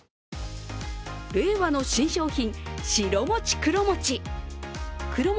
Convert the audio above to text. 令和の新商品、白餅黒餅。